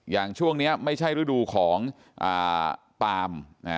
อย่างช่วงนี้ไม่ใช่ฤดูของปาล์ม